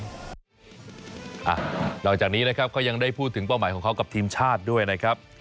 นอกจากนี้นะครับเขายังได้พูดถึงเป้าหมายของเขากับทีมชาติด้วยนะครับ